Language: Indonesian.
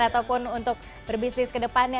ataupun untuk berbisnis kedepannya